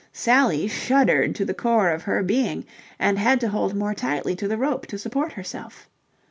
Sally shuddered to the core of her being and had to hold more tightly to the rope to support herself.